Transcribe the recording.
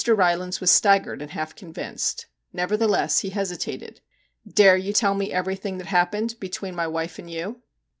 Rylands was staggered and half convinced. Nevertheless he hesitated. * Dare you tell me everything that happened between my wife and you